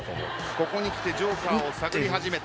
ここにきてＪＯＫＥＲを探り始めた。